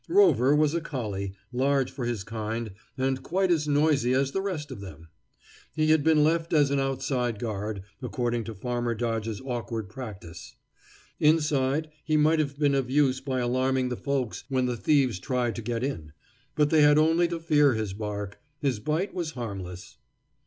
Rover was a collie, large for his kind, and quite as noisy as the rest of them. He had been left as an outside guard, according to Farmer Dodge's awkward practice. Inside, he might have been of use by alarming the folks when the thieves tried to get in. But they had only to fear his bark; his bite was harmless.